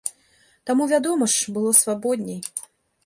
Таму, вядома ж, было свабодней!